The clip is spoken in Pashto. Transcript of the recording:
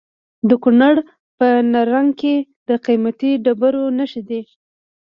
د کونړ په نرنګ کې د قیمتي ډبرو نښې دي.